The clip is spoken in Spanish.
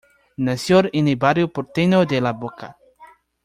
Nació en el barrio porteño de La Boca.